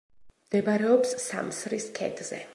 მდებარეობს სამსრის ქედზე.